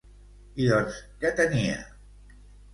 I doncs, què tenia?